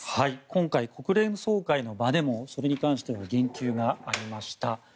今回、国連総会の場でもそれに関しては言及がありました。